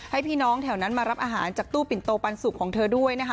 ให้พี่น้องแถวนั้นมารับอาหารจากตู้ปิ่นโตปันสุกของเธอด้วยนะคะ